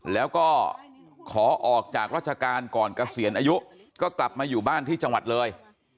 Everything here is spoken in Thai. แล้วก็ขอออกจากราชการก่อนเกษียณอายุก็กลับมาอยู่บ้านที่จังหวัดเลย